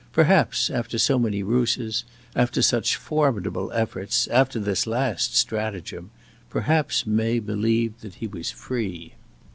Perhaps, after so many ruses, after such formidable efforts, after this last stratagem perhaps May believed that he was free.